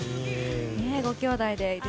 ごきょうだいで。